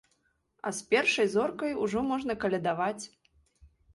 А з першай зоркай ужо можна калядаваць.